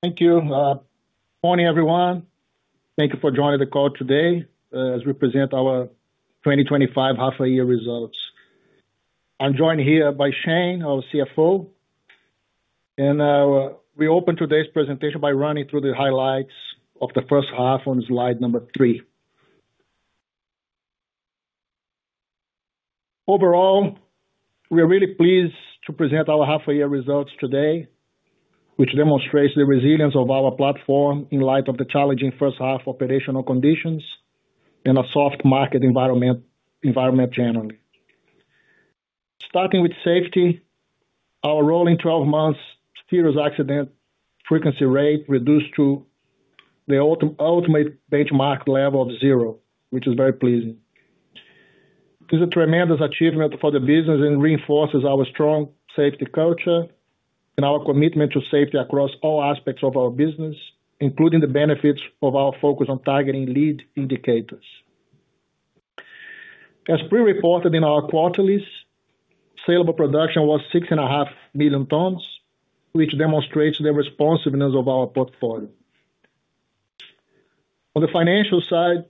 Thank you. Morning, everyone. Thank you for joining the call today as we present our 2025 half-year results. I'm joined here by Shane, our CFO. We open today's presentation by running through the highlights of the first half on slide number three. Overall, we are really pleased to present our half-year results today, which demonstrates the resilience of our platform in light of the challenging first half operational conditions and a soft market environment generally. Starting with safety, our rolling 12-month serious accident frequency rate reduced to the ultimate benchmark level of zero, which is very pleasing. This is a tremendous achievement for the business and reinforces our strong safety culture and our commitment to safety across all aspects of our business, including the benefits of our focus on targeting lead indicators. As pre-reported in our quarterly, saleable production was $6.5 million tons, which demonstrates the responsiveness of our portfolio. On the financial side,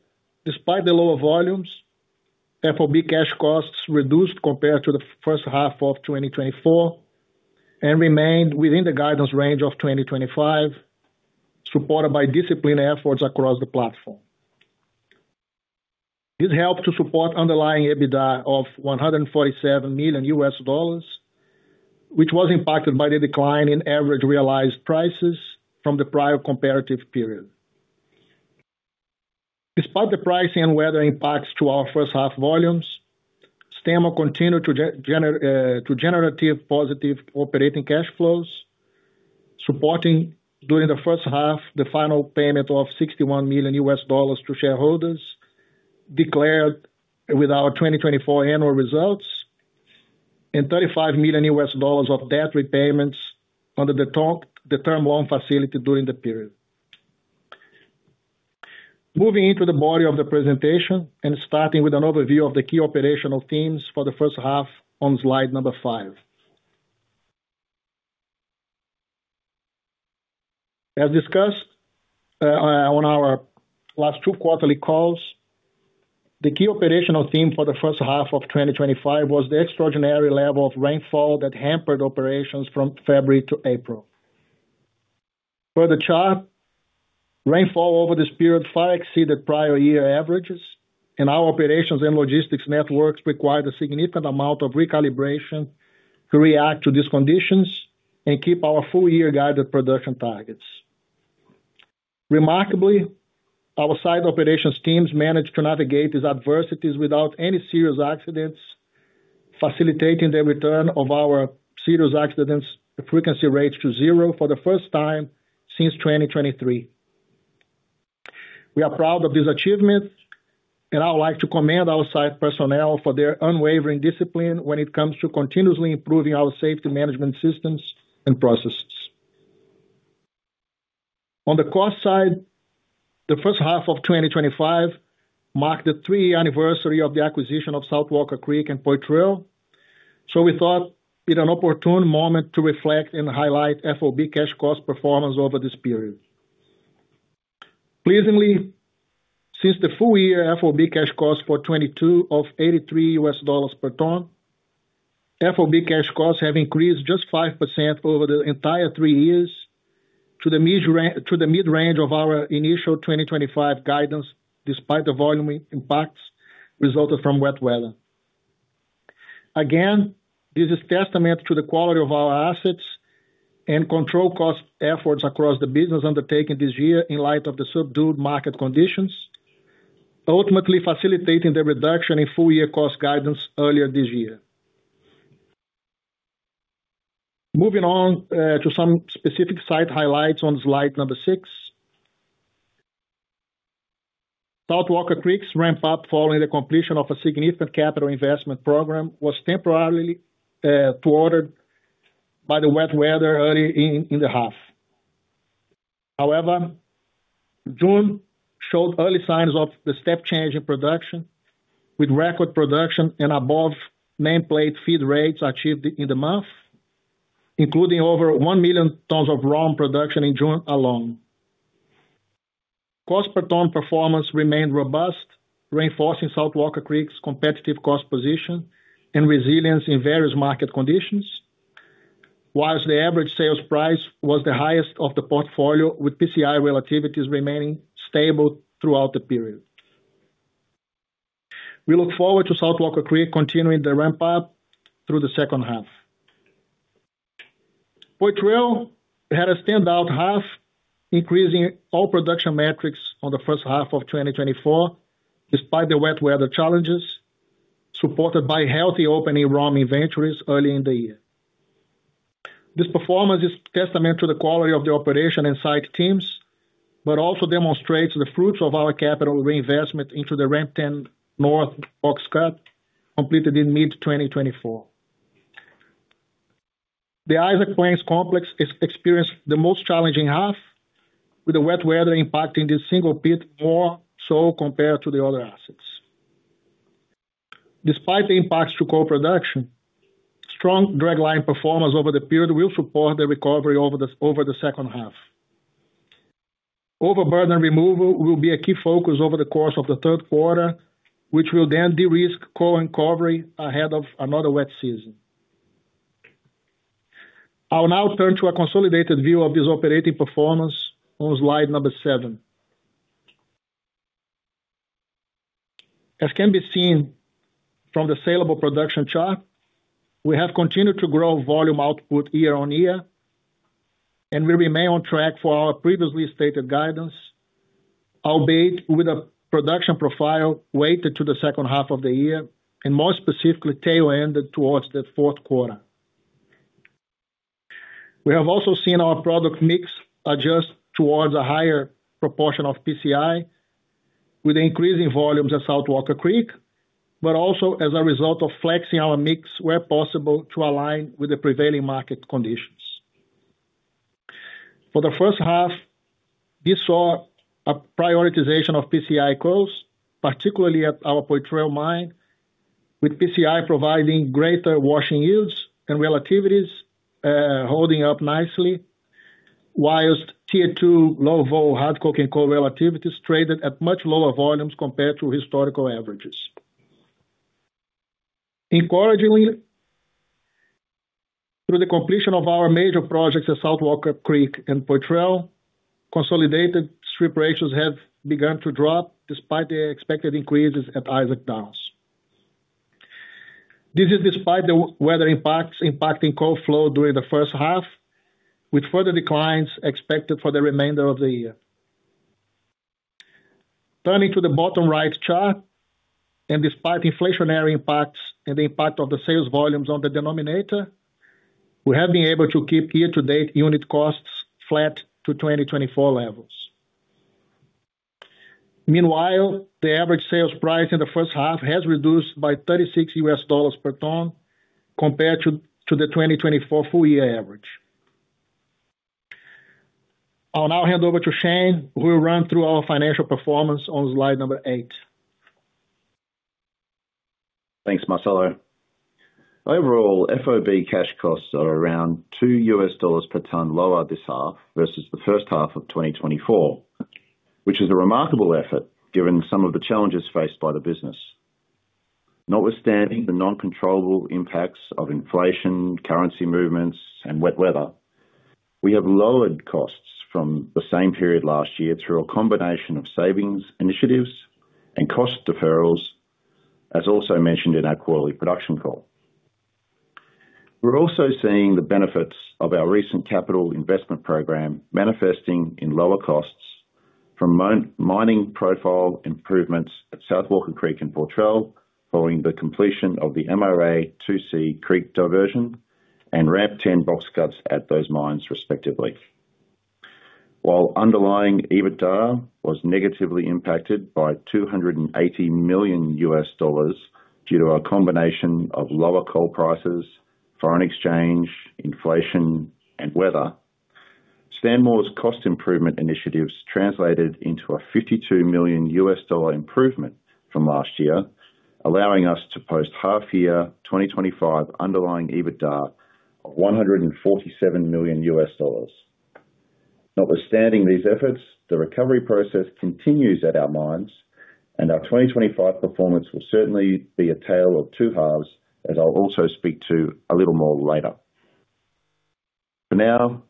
despite the lower volumes, FOB cash costs reduced compared to the first half of 2024 and remained within the guidance range of 2025, supported by disciplined efforts across the platform. This helps to support underlying EBITDA of $147 million, which was impacted by the decline in average realized prices from the prior comparative period. Despite the pricing and weather impacts to our first half volumes, Stanmore continued to generate positive operating cash flows, supporting during the first half the final payment of $61 million to shareholders declared with our 2024 annual results and $35 million of debt repayments under the term loan facility during the period. Moving into the body of the presentation and starting with an overview of the key operational themes for the first half on slide number five. As discussed on our last two quarterly calls, the key operational theme for the first half of 2025 was the extraordinary level of rainfall that hampered operations from February to April. Per the chart, rainfall over this period far exceeded prior year averages, and our operations and logistics networks required a significant amount of recalibration to react to these conditions and keep our full year guided production targets. Remarkably, our site operations teams managed to navigate these adversities without any serious accidents, facilitating the return of our serious accident frequency rate to zero for the first time since 2023. We are proud of this achievement, and I would like to commend our site personnel for their unwavering discipline when it comes to continuously improving our safety management systems and processes. On the cost side, the first half of 2025 marked the three-year anniversary of the acquisition of South Walker Creek and Poitrel, so we thought it was an opportune moment to reflect and highlight FOB cash cost performance over this period. Pleasingly, since the full year FOB cash cost for 2022 of $83 per ton, FOB cash costs have increased just 5% over the entire three years to the mid-range of our initial 2025 guidance despite the volume impacts resulting from wet weather. This is a testament to the quality of our assets and cost control efforts across the business undertaken this year in light of the subdued market conditions, ultimately facilitating the reduction in full-year cost guidance earlier this year. Moving on to some specific site highlights on slide number six. South Walker Creek's ramp-up following the completion of a significant capital investment program was temporarily thwarted by the wet weather early in the half. However, June showed early signs of the step change in production with record production and above nameplate feed rates achieved in the month, including over $1 million tons of raw production in June alone. Cost per ton performance remained robust, reinforcing South Walker Creek's competitive cost position and resilience in various market conditions, while the average sales price was the highest of the portfolio with PCI relativities remaining stable throughout the period. We look forward to South Walker Creek continuing the ramp-up through the second half. Poitrel had a standout half, increasing all production metrics on the first half of 2024 despite the wet weather challenges, supported by healthy opening raw inventories early in the year. This performance is a testament to the quality of the operation and site teams, but also demonstrates the fruits of our capital reinvestment into the Ramp 10 North Oxcut completed in mid-2024. The Isaac Plains Complex experienced the most challenging half, with the wet weather impacting this single pit more so compared to the other assets. Despite the impacts to coal production, strong dragline performance over the period will support the recovery over the second half. Overburden removal will be a key focus over the course of the third quarter, which will then de-risk coal recovery ahead of another wet season. I'll now turn to a consolidated view of this operating performance on slide number seven. As can be seen from the saleable production chart, we have continued to grow volume output year on year, and we remain on track for our previously stated guidance, albeit with a production profile weighted to the second half of the year and more specifically tail-ended towards the fourth quarter. We have also seen our product mix adjust towards a higher proportion of PCI with increasing volumes at South Walker Creek, but also as a result of flexing our mix where possible to align with the prevailing market conditions. For the first half, we saw a prioritization of PCI coals, particularly at our Poitrel mine, with PCI providing greater washing yields and relativities holding up nicely, whilst Tier 2 low vol hard coking coal relativities traded at much lower volumes compared to historical averages. Encouragingly, through the completion of our major projects at South Walker Creek and Poitrel, consolidated strip ratios have begun to drop despite the expected increases at Isaac Downs. This is despite the weather impacts impacting coal flow during the first half, with further declines expected for the remainder of the year. Turning to the bottom right chart, and despite inflationary impacts and the impact of the sales volumes on the denominator, we have been able to keep year-to-date unit costs flat to 2024 levels. Meanwhile, the average sales price in the first half has reduced by $36 per ton compared to the 2024 full-year average. I'll now hand over to Shane, who will run through our financial performance on slide number eight. Thanks, Marcelo. Overall, FOB cash costs are around $2 per ton lower this half versus the first half of 2024, which is a remarkable effort given some of the challenges faced by the business. Notwithstanding the non-controllable impacts of inflation, currency movements, and wet weather, we have lowered costs from the same period last year through a combination of savings initiatives and cost deferrals, as also mentioned in our quarterly production call. We're also seeing the benefits of our recent capital investment program manifesting in lower costs from mining profile improvements at South Walker Creek and Poitrel following the completion of the MRA 2C creek diversion and Ramp 10 box cuts at those mines, respectively. While underlying EBITDA was negatively impacted by $280 million due to our combination of lower coal prices, foreign exchange, inflation, and weather, Stanmore's cost improvement initiatives translated into a $52 million improvement from last year, allowing us to post half-year 2025 underlying EBITDA of $147 million. Notwithstanding these efforts, the recovery process continues at our mines, and our 2025 performance will certainly be a tale of two halves, as I'll also speak to a little more later. For now,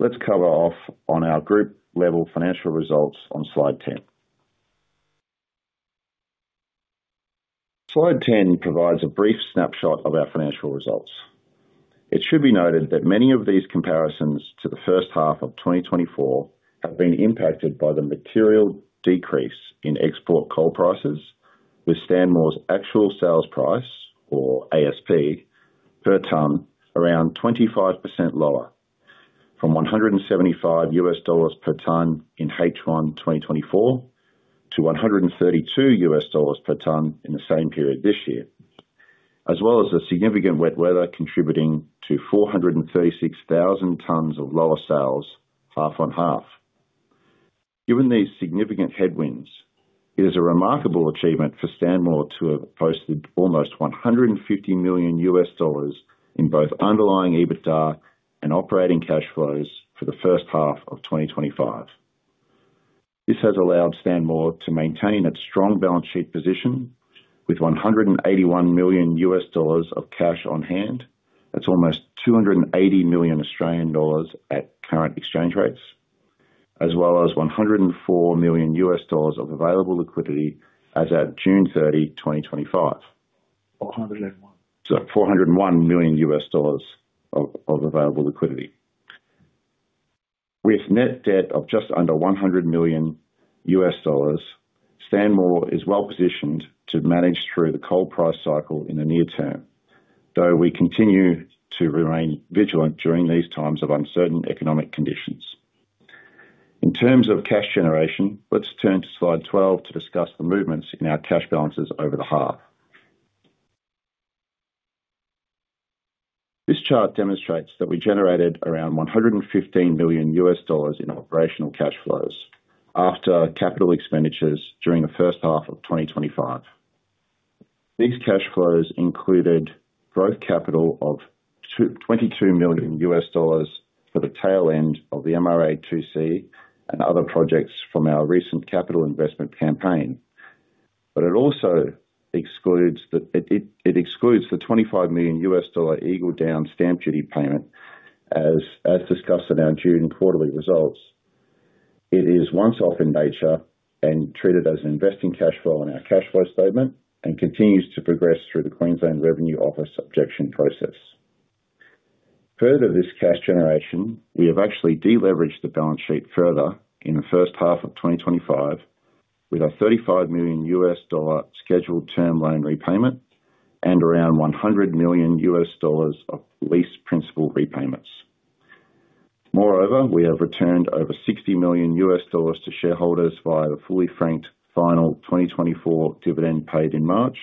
let's cover off on our group-level financial results on slide 10. Slide 10 provides a brief snapshot of our financial results. It should be noted that many of these comparisons to the first half of 2024 have been impacted by the material decrease in export coal prices, with Stanmore's actual sales price, or ASP, per ton around 25% lower, from $175 per ton in H1 2024 to $132 per ton in the same period this year, as well as significant wet weather contributing to 436,000 tn of lower sales half on half. Given these significant headwinds, it is a remarkable achievement for Stanmore to have posted almost $150 million in both underlying EBITDA and operating cash flows for the first half of 2025. This has allowed Stanmore to maintain its strong balance sheet position with $181 million of cash on hand. That's almost $280 million Australian dollars at current exchange rates, as well as $104 million of available liquidity as at June 30, 2025. $401 million of available liquidity. With net debt of just under $100 million, Stanmore Resources Limited is well positioned to manage through the coal price cycle in the near term, though we continue to remain vigilant during these times of uncertain economic conditions. In terms of cash generation, let's turn to slide 12 to discuss the movements in our cash balances over the half. This chart demonstrates that we generated around $115 million in operational cash flows after capital expenditures during the first half of 2025. These cash flows included growth capital of $22 million for the tail end of the MRA 2C and other projects from our recent capital investment campaign, but it also excludes the $25 million Eagle Downs stamp duty payment, as discussed in our June quarterly results. It is once-off in nature and treated as an investing cash flow in our cash flow statement and continues to progress through the Queensland Revenue Office objection process. Further to this cash generation, we have actually deleveraged the balance sheet further in the first half of 2025 with a $35 million scheduled term loan repayment and around $100 million of lease principal repayments. Moreover, we have returned over $60 million to shareholders via the fully franked final 2024 dividend paid in March.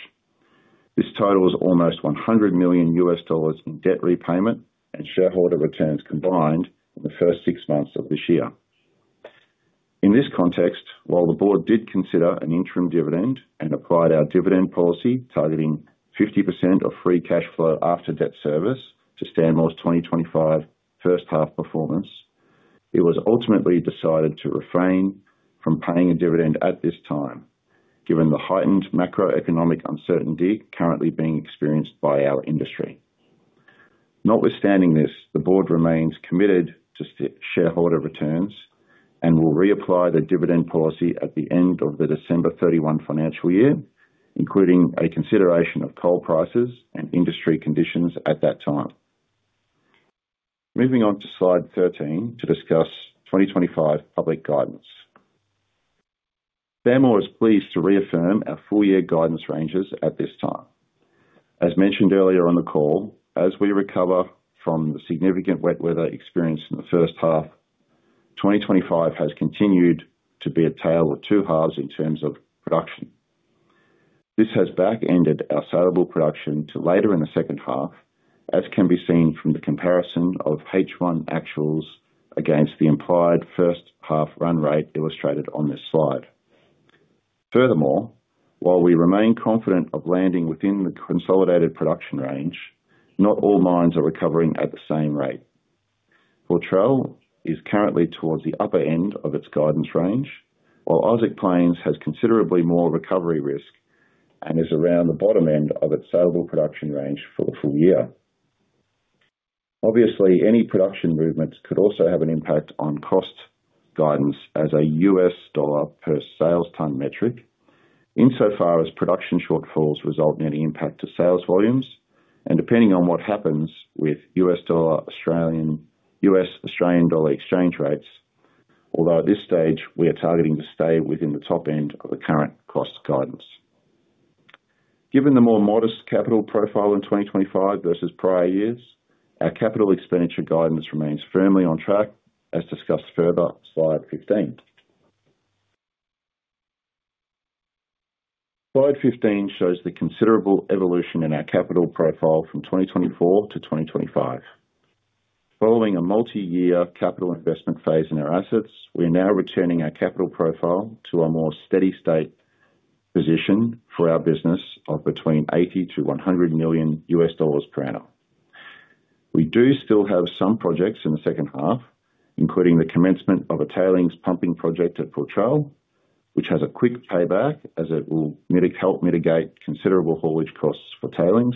This totals almost $100 million in debt repayment and shareholder returns combined in the first six months of this year. In this context, while the board did consider an interim dividend and applied our dividend policy targeting 50% of free cash flow after debt service to Stanmore's 2025 first half performance, it was ultimately decided to refrain from paying a dividend at this time, given the heightened macroeconomic uncertainty currently being experienced by our industry. Notwithstanding this, the board remains committed to shareholder returns and will reapply the dividend policy at the end of the December 31 financial year, including a consideration of coal prices and industry conditions at that time. Moving on to slide 13 to discuss 2025 public guidance. Stanmore Resources Limited is pleased to reaffirm our full-year guidance ranges at this time. As mentioned earlier on the call, as we recover from the significant wet weather experienced in the first half, 2025 has continued to be a tale of two halves in terms of production. This has back-ended our saleable production to later in the second half, as can be seen from the comparison of H1 actuals against the implied first half run rate illustrated on this slide. Furthermore, while we remain confident of landing within the consolidated production range, not all mines are recovering at the same rate. Poitrel is currently towards the upper end of its guidance range, while Isaac Plains has considerably more recovery risk and is around the bottom end of its saleable production range for the full year. Obviously, any production movements could also have an impact on cost guidance as a U.S. dollar per sales ton metric, insofar as production shortfalls result in any impact to sales volumes, and depending on what happens with U.S. dollar/Australian dollar exchange rates, although at this stage we are targeting to stay within the top end of the current cost guidance. Given the more modest capital profile in 2025 versus prior years, our capital expenditure guidance remains firmly on track, as discussed further on slide 15. Slide 15 shows the considerable evolution in our capital profile from 2024 to 2025. Following a multi-year capital investment phase in our assets, we are now returning our capital profile to a more steady-state position for our business of between $80 million to $100 million per annum. We do still have some projects in the second half, including the commencement of a tailings pumping project at Poitrel, which has a quick payback as it will help mitigate considerable haulage costs for tailings,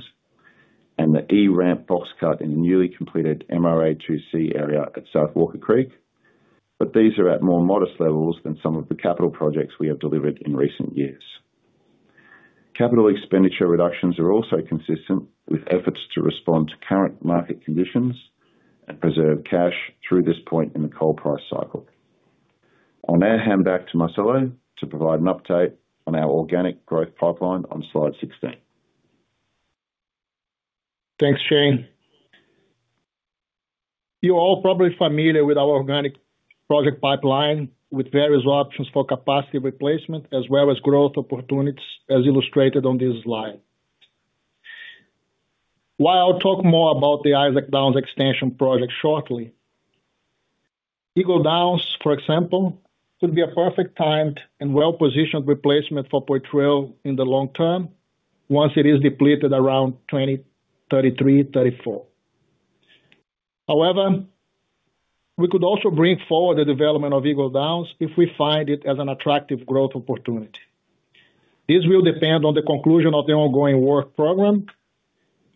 and the E-ramp box cut in the newly completed MRA 2C area at South Walker Creek, but these are at more modest levels than some of the capital projects we have delivered in recent years. Capital expenditure reductions are also consistent with efforts to respond to current market conditions and preserve cash through this point in the coal price cycle. I'll now hand back to Marcelo to provide an update on our organic growth pipeline on slide 16. Thanks, Shane. You're all probably familiar with our organic project pipeline with various options for capacity replacement as well as growth opportunities, as illustrated on this slide. While I'll talk more about the Isaac Downs Extension project shortly, Eagle Downs, for example, could be a perfect time and well-positioned replacement for Poitrel in the long term once it is depleted around 2033-2034. However, we could also bring forward the development of Eagle Downs if we find it as an attractive growth opportunity. This will depend on the conclusion of the ongoing work program,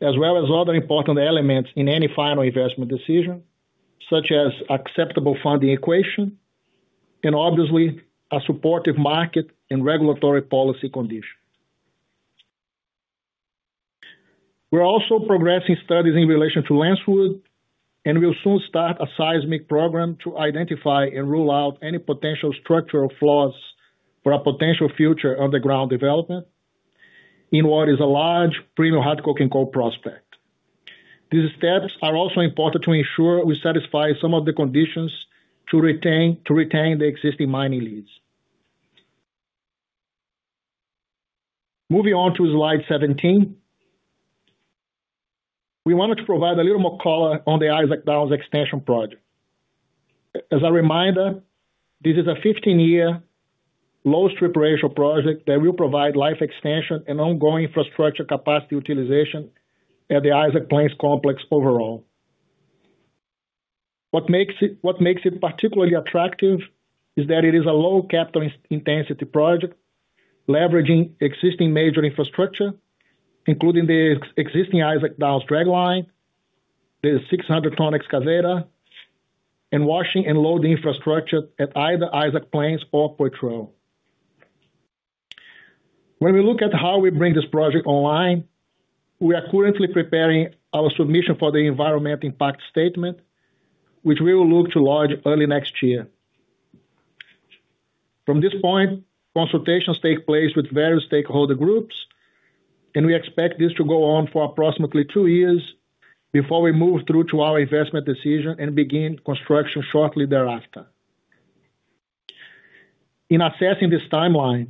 as well as other important elements in any final investment decision, such as acceptable funding equation and obviously a supportive market and regulatory policy condition. We're also progressing studies in relation to Lynchwood, and we'll soon start a seismic program to identify and rule out any potential structural flaws for a potential future underground development in what is a large premium hard coking coal prospect. These steps are also important to ensure we satisfy some of the conditions to retain the existing mining leases. Moving on to slide 17, we wanted to provide a little more color on the Isaac Downs Extension project. As a reminder, this is a 15-year low strip ratio project that will provide life extension and ongoing infrastructure capacity utilization at the Isaac Plains Complex overall. What makes it particularly attractive is that it is a low capital intensity project leveraging existing major infrastructure, including the existing Isaac Downs dragline, the 600-ton excavator, and washing and loading infrastructure at either Isaac Plains or Poitrel. When we look at how we bring this project online, we are currently preparing our submission for the environmental impact statement, which we will look to launch early next year. From this point, consultations take place with various stakeholder groups, and we expect this to go on for approximately two years before we move through to our investment decision and begin construction shortly thereafter. In assessing this timeline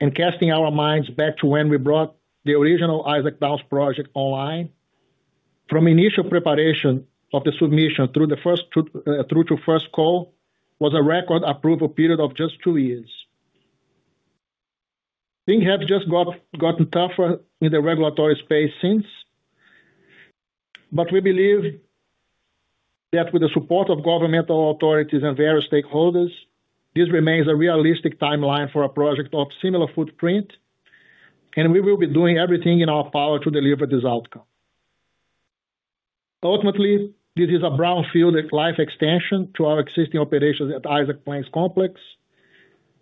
and casting our minds back to when we brought the original Isaac Downs project online, from initial preparation of the submission through to first coal was a record approval period of just two years. Things have just gotten tougher in the regulatory space since, but we believe that with the support of governmental authorities and various stakeholders, this remains a realistic timeline for a project of similar footprint, and we will be doing everything in our power to deliver this outcome. Ultimately, this is a brownfield life extension to our existing operations at Isaac Plains Complex,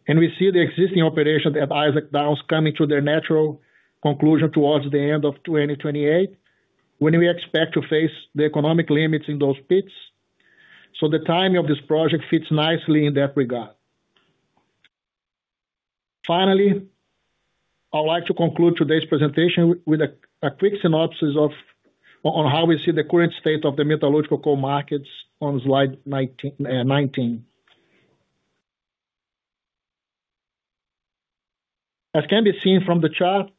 and we see the existing operations at Isaac Downs coming to their natural conclusion towards the end of 2028, when we expect to face the economic limits in those pits, so the timing of this project fits nicely in that regard. Finally, I would like to conclude today's presentation with a quick synopsis of how we see the current state of the metallurgical coal markets on slide 19. As can be seen from the chart,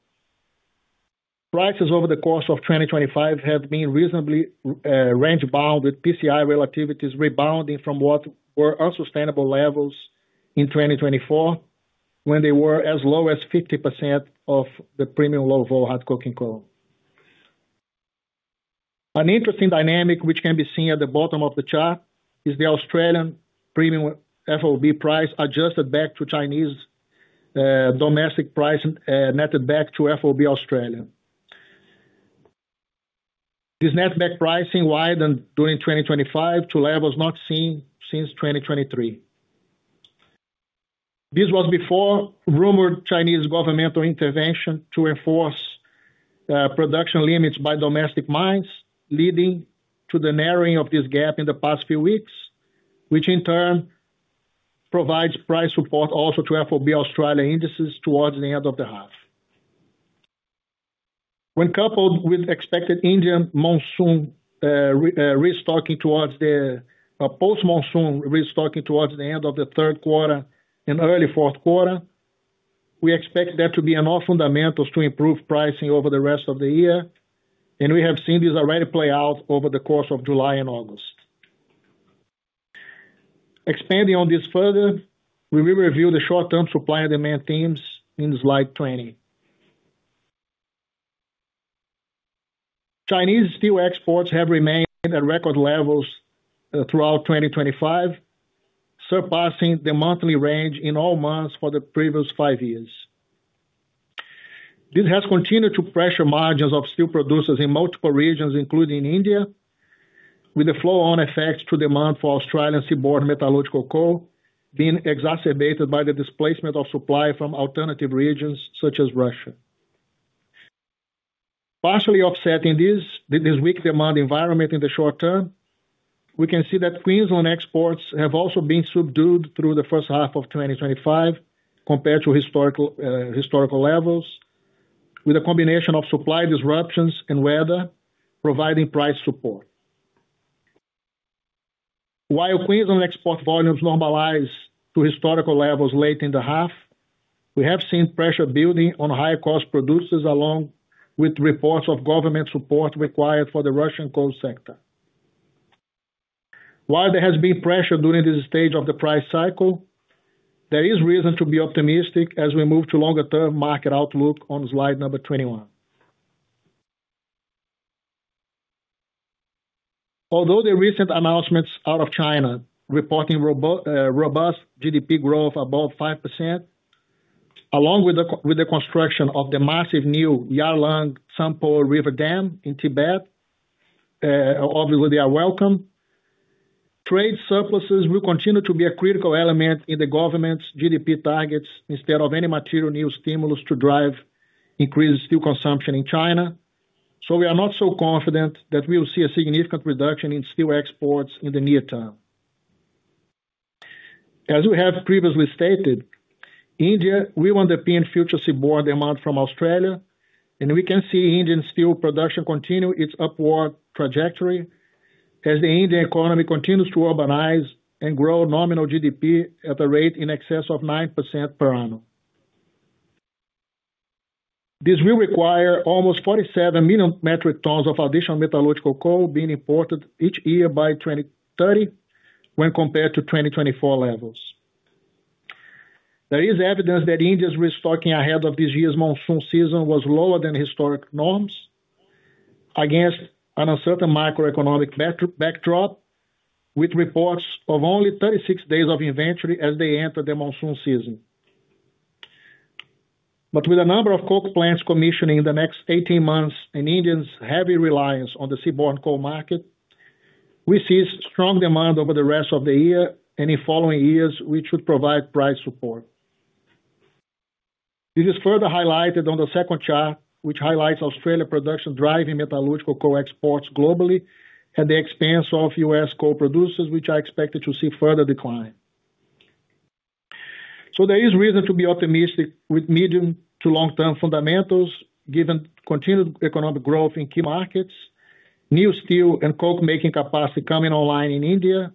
prices over the course of 2025 have been reasonably range-bound with PCI relativities rebounding from what were unsustainable levels in 2024, when they were as low as 50% of the premium low vol hard coking coal. An interesting dynamic, which can be seen at the bottom of the chart, is the Australian premium FOB price adjusted back to Chinese domestic price netted back to FOB Australian. This netback pricing widened during 2025 to levels not seen since 2023. This was before rumored Chinese governmental intervention to enforce production limits by domestic mines, leading to the narrowing of this gap in the past few weeks, which in turn provides price support also to FOB Australia indices towards the end of the half. When coupled with expected Indian monsoon restocking towards the post-monsoon restocking towards the end of the third quarter and early fourth quarter, we expect that to be enough fundamentals to improve pricing over the rest of the year, and we have seen this already play out over the course of July and August. Expanding on this further, we will review the short-term supply and demand themes in slide 20. Chinese steel exports have remained at record levels throughout 2025, surpassing the monthly range in all months for the previous five years. This has continued to pressure margins of steel producers in multiple regions, including India, with the flow-on effects to demand for Australian seaborne metallurgical coal being exacerbated by the displacement of supply from alternative regions such as Russia. Partially offsetting this weak demand environment in the short term, we can see that Queensland exports have also been subdued through the first half of 2025 compared to historical levels, with a combination of supply disruptions and weather providing price support. While Queensland export volumes normalized to historical levels late in the half, we have seen pressure building on high-cost producers, along with the reinforcement of government support required for the Russian coal sector. While there has been pressure during this stage of the price cycle, there is reason to be optimistic as we move to longer-term market outlook on slide number 21. Although the recent announcements out of China reporting robust GDP growth above 5%, along with the construction of the massive new Yarlung Tsanpo River Dam in Tibet, obviously they are welcome, trade surpluses will continue to be a critical element in the government's GDP targets instead of any material new stimulus to drive increased steel consumption in China, so we are not so confident that we will see a significant reduction in steel exports in the near term. As we have previously stated, India will underpin future seaborne demand from Australia, and we can see Indian steel production continue its upward trajectory as the Indian economy continues to urbanize and grow nominal GDP at a rate in excess of 9% per annum. This will require almost 47 million metric tons of additional metallurgical coal being imported each year by 2030 when compared to 2024 levels. There is evidence that India's restocking ahead of this year's monsoon season was lower than historic norms against an uncertain macroeconomic backdrop, with reports of only 36 days of inventory as they enter the monsoon season. With a number of coke plants commissioning in the next 18 months and India's heavy reliance on the seaborne coal market, we see strong demand over the rest of the year, and in following years, we should provide price support. This is further highlighted on the second chart, which highlights Australia production driving metallurgical coal exports globally at the expense of U.S. coal producers, which are expected to see further decline. There is reason to be optimistic with medium to long-term fundamentals given continued economic growth in key markets, new steel and coke-making capacity coming online in India,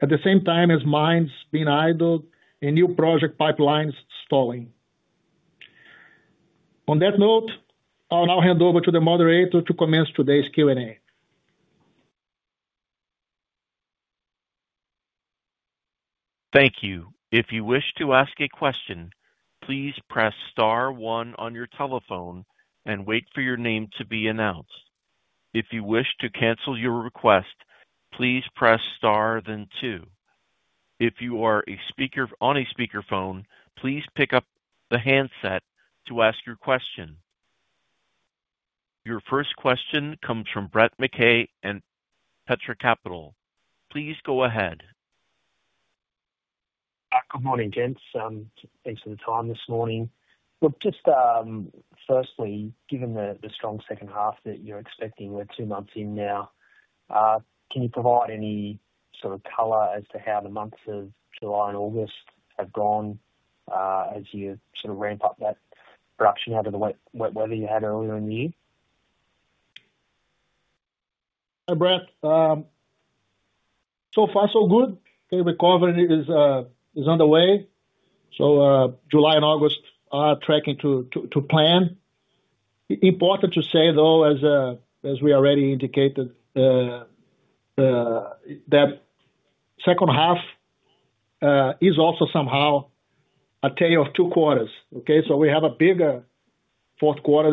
at the same time as mines being idled and new project pipelines stalling. On that note, I'll now hand over to the moderator to commence today's Q&A. Thank you. If you wish to ask a question, please press star one on your telephone and wait for your name to be announced. If you wish to cancel your request, please press star then two. If you are on a speakerphone, please pick up the handset to ask your question. Your first question comes from Brett McKay at Petra Capital. Please go ahead. Good morning, James. Thanks for the time this morning. Firstly, given the strong second half that you're expecting, we're two months in now. Can you provide any sort of color as to how the months of July and August have gone, as you sort of ramp up that production out of the wet weather you had earlier in the year? Hi, Brett. So far, so good. The recovery is underway. July and August are tracking to plan. Important to say, though, as we already indicated, that second half is also somehow a tale of two quarters. We have a bigger fourth quarter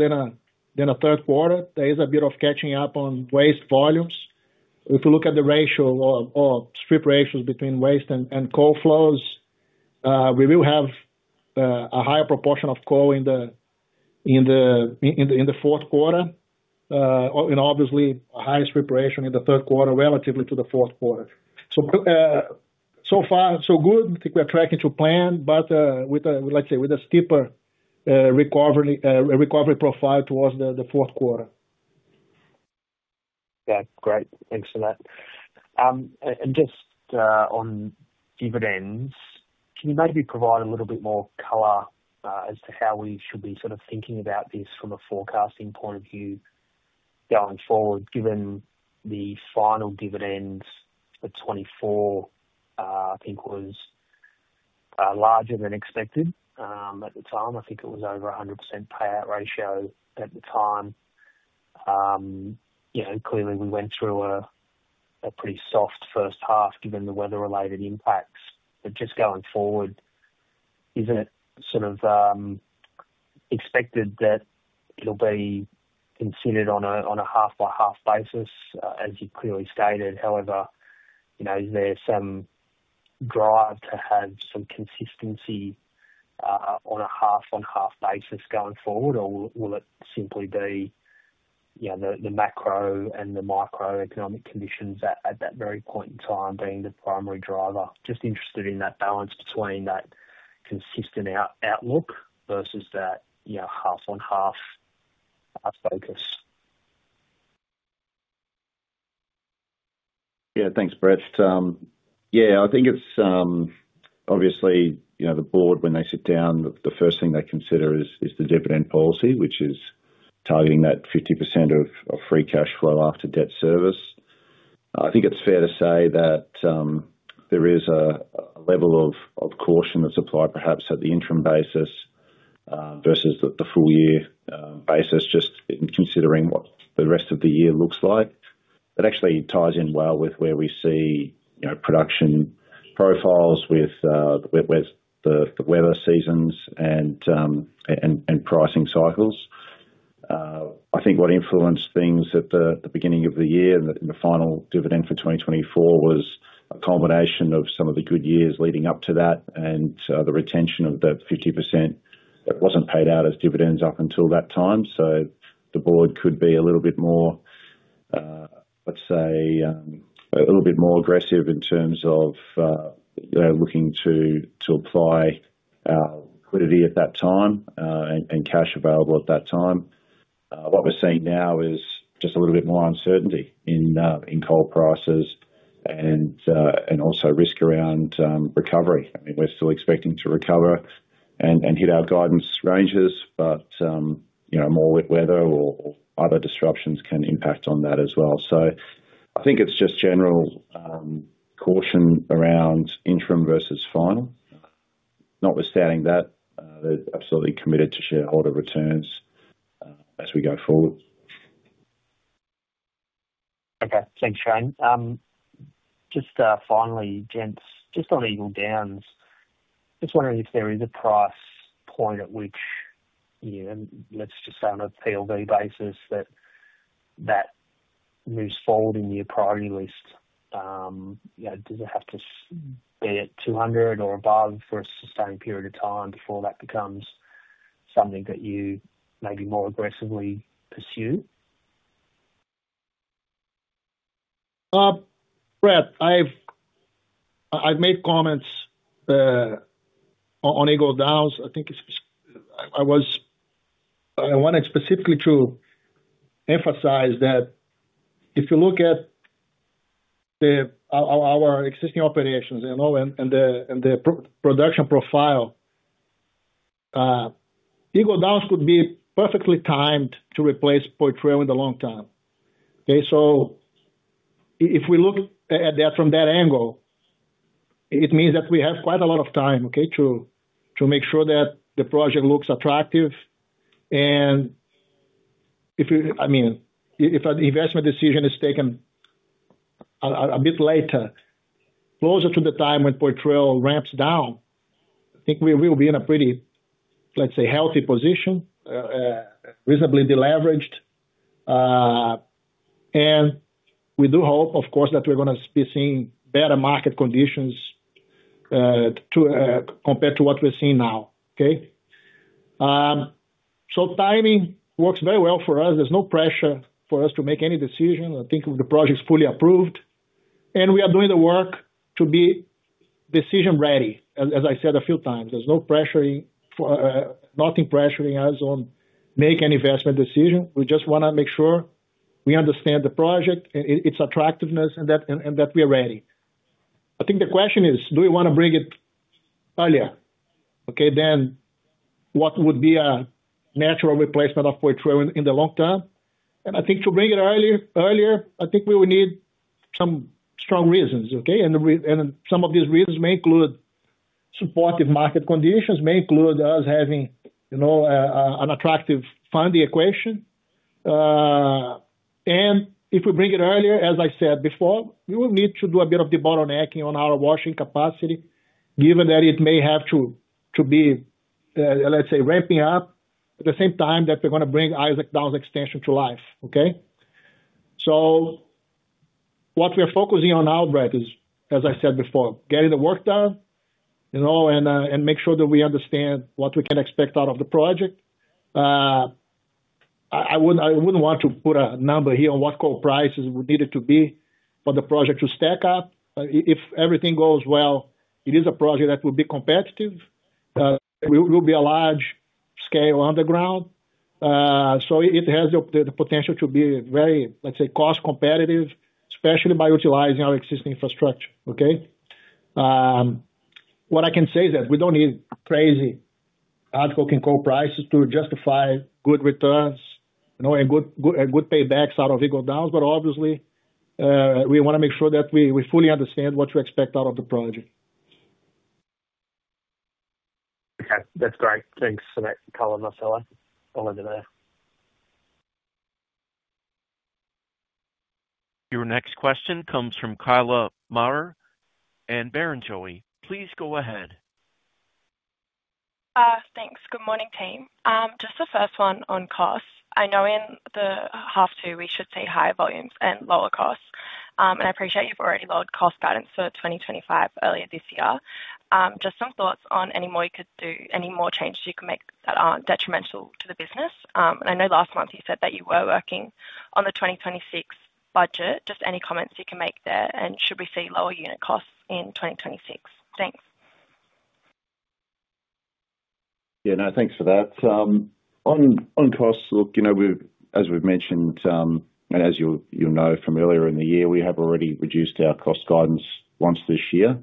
than a third quarter. There is a bit of catching up on waste volumes. If you look at the ratio or strip ratios between waste and coal flows, we will have a higher proportion of coal in the fourth quarter, and obviously a higher strip ratio in the third quarter relative to the fourth quarter. So far, so good. I think we're tracking to plan, but with a, let's say, with a skipper recovery profile towards the fourth quarter. Yeah, great. Thanks for that. Just on dividends, can you maybe provide a little bit more color as to how we should be sort of thinking about this from a forecasting point of view going forward, given the final dividends for 2024, I think was larger than expected at the time? I think it was over 100% payout ratio at the time. You know, clearly we went through a pretty soft first half given the weather-related impacts. Just going forward, isn't it sort of expected that it'll be considered on a half-by-half basis, as you clearly stated? However, you know, is there some drive to have some consistency on a half-on-half basis going forward, or will it simply be, you know, the macro and the microeconomic conditions at that very point in time being the primary driver? Just interested in that balance between that consistent outlook versus that half-on-half focus. Yeah, thanks, Brett. I think it's, obviously, you know, the board, when they sit down, the first thing they consider is the dividend policy, which is targeting that 50% of free cash flow after debt service. I think it's fair to say that there is a level of caution of supply perhaps at the interim basis, versus the full year basis, just in considering what the rest of the year looks like. It actually ties in well with where we see, you know, production profiles with the weather seasons and pricing cycles. I think what influenced things at the beginning of the year and the final dividend for 2024 was a combination of some of the good years leading up to that and the retention of that 50% that wasn't paid out as dividends up until that time. The board could be a little bit more, let's say, a little bit more aggressive in terms of looking to apply liquidity at that time, and cash available at that time. What we're seeing now is just a little bit more uncertainty in coal prices and also risk around recovery. I mean, we're still expecting to recover and hit our guidance ranges, but more wet weather or other disruptions can impact on that as well. I think it's just general caution around interim versus final. Notwithstanding that, they're absolutely committed to shareholder returns, as we go forward. Okay. Thanks, Shane. Just finally, just on Eagle Downs, just wondering if there is a price point at which, you know, let's just say on a PLV basis that that moves forward in your priority list. You know, does it have to be at $200 or above for a sustained period of time before that becomes something that you maybe more aggressively pursue? Brett, I've made comments on Eagle Downs. I think it's, I wanted specifically to emphasize that if you look at our existing operations and the production profile, Eagle Downs could be perfectly timed to replace Poitrel in the long term. If we look at that from that angle, it means that we have quite a lot of time to make sure that the project looks attractive. If an investment decision is taken a bit later, closer to the time when Poitrel ramps down, I think we will be in a pretty, let's say, healthy position, reasonably deleveraged. We do hope, of course, that we're going to be seeing better market conditions compared to what we're seeing now. Timing works very well for us. There's no pressure for us to make any decision. I think the project is fully approved, and we are doing the work to be decision-ready. As I said a few times, there's nothing pressuring us on making an investment decision. We just want to make sure we understand the project and its attractiveness and that we are ready. The question is, do we want to bring it earlier than what would be a natural replacement of Poitrel in the long term? To bring it earlier, I think we will need some strong reasons. Some of these reasons may include supportive market conditions, may include us having an attractive funding equation. If we bring it earlier, as I said before, we will need to do a bit of debottlenecking on our washing capacity, given that it may have to be, let's say, ramping up at the same time that we're going to bring Isaac Downs Extension to life. What we are focusing on now, Brett, is, as I said before, getting the work done and making sure that we understand what we can expect out of the project. I wouldn't want to put a number here on what coal prices would need to be for the project to stack up. If everything goes well, it is a project that will be competitive. It will be a large-scale underground, so it has the potential to be very, let's say, cost-competitive, especially by utilizing our existing infrastructure. What I can say is that we don't need crazy hard coking coal prices to justify good returns and good paybacks out of Eagle Downs, but obviously, we want to make sure that we fully understand what to expect out of the project. Okay, that's great. Thanks for that, Khyla and Marcelo. All under there. Your next question comes from Khyla Maher at Barrenjoey. Please go ahead. Thanks. Good morning, team. Just the first one on costs. I know in the half two, we should see higher volumes and lower costs, and I appreciate you've already logged cost guidance for 2025 earlier this year. Just some thoughts on any more you could do, any more changes you can make that aren't detrimental to the business. I know last month you said that you were working on the 2026 budget. Just any comments you can make there and should we see lower unit costs in 2026? Thanks. Yeah, no, thanks for that. On costs, as we've mentioned, and as you'll know from earlier in the year, we have already reduced our cost guidance once this year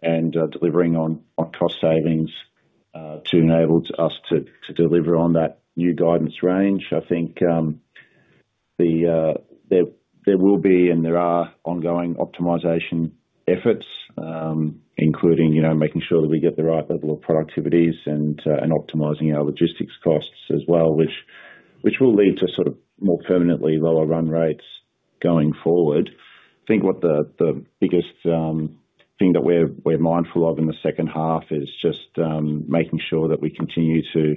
and delivering on cost savings to enable us to deliver on that new guidance range. I think there will be and there are ongoing optimization efforts, including making sure that we get the right level of productivities and optimizing our logistics costs as well, which will lead to more permanently lower run rates going forward. I think what the biggest thing that we're mindful of in the second half is just making sure that we continue to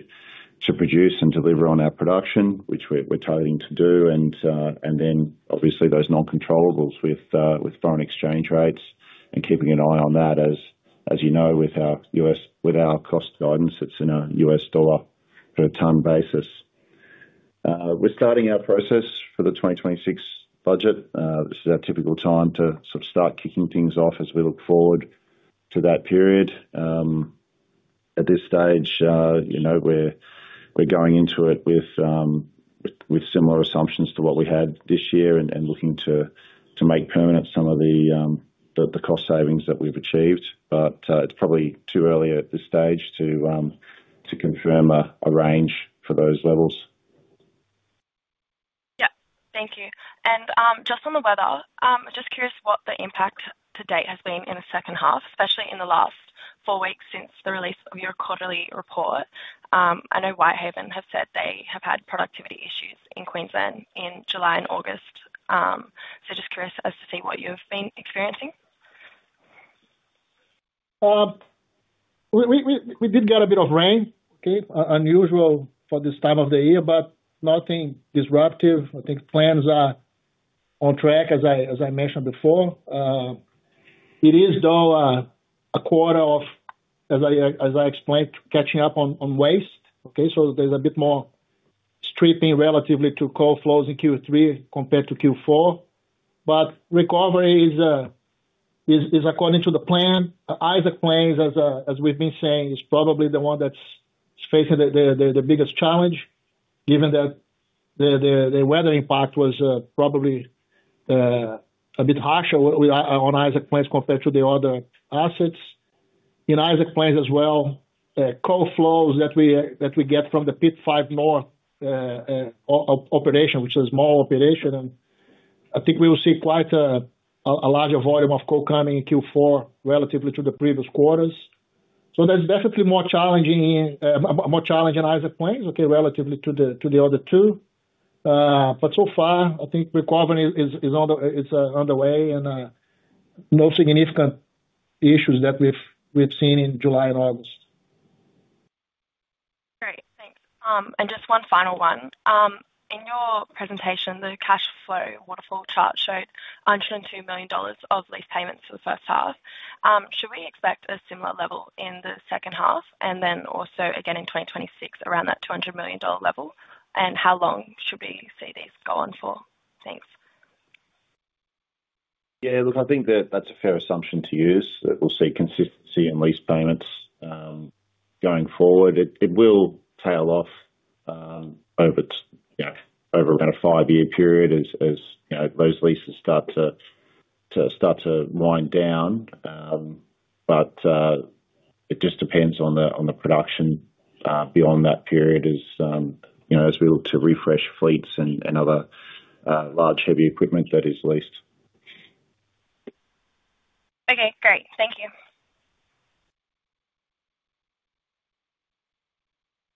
produce and deliver on our production, which we're targeting to do, and then obviously those non-controllables with foreign exchange rates and keeping an eye on that, as you know, with our U.S. with our cost guidance, it's in a U.S. dollar per ton basis. We're starting our process for the 2026 budget. This is our typical time to start kicking things off as we look forward to that period. At this stage, we're going into it with similar assumptions to what we had this year and looking to make permanent some of the cost savings that we've achieved, but it's probably too early at this stage to confirm a range for those levels. Thank you. Just on the weather, I'm curious what the impact to date has been in the second half, especially in the last four weeks since the release of your quarterly report. I know Whitehaven have said they have had productivity issues in Queensland in July and August. I'm just curious as to what you've been experiencing. We did get a bit of rain, unusual for this time of the year, but nothing disruptive. I think plans are on track, as I mentioned before. It is, though, a quarter of, as I explained, catching up on waste. There's a bit more stripping relatively to coal flows in Q3 compared to Q4. Recovery is according to the plan. Isaac Plains, as we've been saying, is probably the one that's facing the biggest challenge, given that the weather impact was probably a bit harsher on Isaac Plains compared to the other assets. In Isaac Plains as well, coal flows that we get from the Pit 5 North operation, which is a small operation, and I think we will see quite a larger volume of coal coming in Q4 relatively to the previous quarters. That's definitely more challenging in Isaac Plains, relatively to the other two. So far, I think recovery is underway and no significant issues that we've seen in July and August. Great, thanks. Just one final one. In your presentation, the cash flow waterfall chart showed $102 million of lease payments for the first half. Should we expect a similar level in the second half and then also again in 2026 around that $200 million level? How long should we see these go on for? Thanks. Yeah, look, I think that that's a fair assumption to use. We'll see consistency in lease payments going forward. It will tail off over around a five-year period as those leases start to wind down. It just depends on the production beyond that period, as we look to refresh fleets and other large heavy equipment that is leased. Okay, great. Thank you.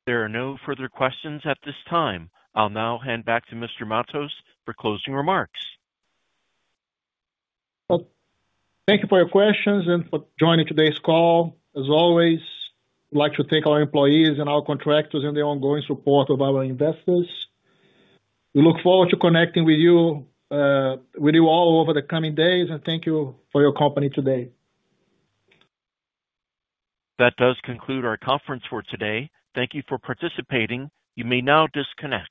There are no further questions at this time. I'll now hand back to Mr. Matos for closing remarks. Thank you for your questions and for joining today's call. As always, I'd like to thank our employees and our contractors and the ongoing support of our investors. We look forward to connecting with you all over the coming days, and thank you for your company today. That does conclude our conference for today. Thank you for participating. You may now disconnect.